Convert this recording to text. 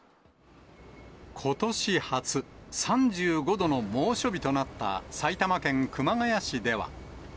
ことし初、３５度の猛暑日となった埼玉県熊谷市では。